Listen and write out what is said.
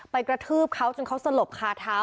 กระทืบเขาจนเขาสลบคาเท้า